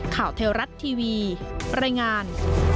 ข่าวเทวรัฐทีวีรายงาน